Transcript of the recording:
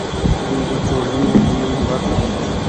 دوی د ټولنې نیمه برخه ده.